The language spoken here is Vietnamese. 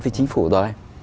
phía chính phủ rồi